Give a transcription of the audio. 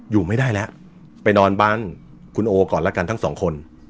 อยู่ไม่ได้แล้วไปนอนบ้านคุณโอก่อนละกันทั้งสองคน